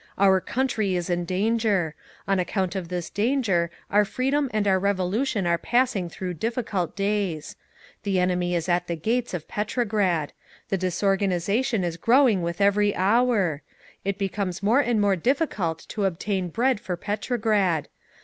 _ "Our country is in danger. On account of this danger our freedom and our Revolution are passing through difficult days. The enemy is at the gates of Petrograd. The disorganisation is growing with every hours. It becomes more and more difficult to obtain bread for Petrograd.